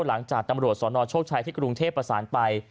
หลังจากตำรวจสนโชคชัยที่กรุงเทพประสานไป